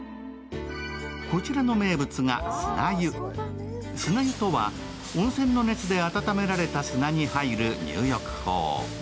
こちらの名物が砂湯、砂湯とは温泉の熱で温められた砂に入る入浴法。